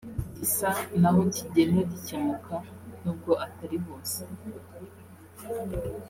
gisa n’aho kigenda gikemuka n’ubwo atari hose